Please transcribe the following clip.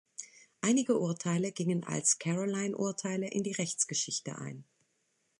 Einige Urteile gingen als Caroline-Urteile in die Rechtsgeschichte ein.